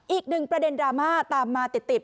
อีกหนึ่งประเด็นดราม่าตามมาติด